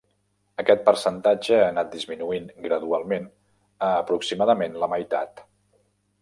Aquest percentatge ha anat disminuint gradualment a aproximadament la meitat.